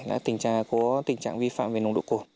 đã tình trạng vi phạm về nồng độ cồn